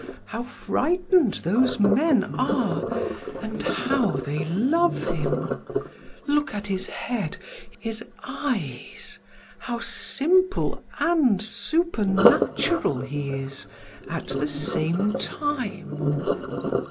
How frightened those men are, and how they love Him! Look at His head, His eyes, how simple and supernatural He is at the same time!"